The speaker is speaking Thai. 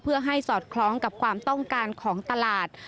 เพื่อให้สอดคล้องกับความต้องการของตลาด